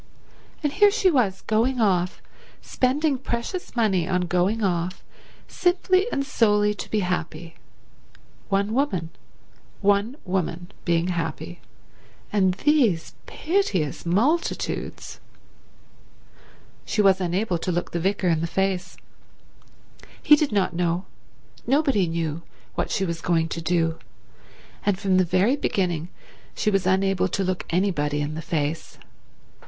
And here she was going off, spending precious money on going off, simply and solely to be happy. One woman. One woman being happy, and these piteous multitudes ... She was unable to look the vicar in the face. He did not know, nobody knew, what she was going to do, and from the very beginning she was unable to look anybody in the face.